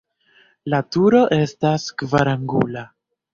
La turo estas kvarangula.